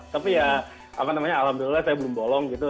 tapi ya alhamdulillah saya belum bolong gitu